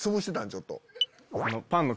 ちょっと。